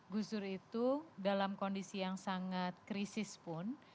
gus dur itu dalam kondisi yang sangat krisis pun